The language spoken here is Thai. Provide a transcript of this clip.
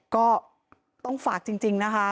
ก็ต้องฝากจริงนะคะ